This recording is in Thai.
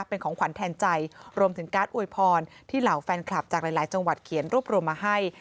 เป็นของขวัญแทนใจรวมถึงการอวยพรที่เหล่าแฟนคลับจากหลายจังหวัดเขียนรวบรวมมาให้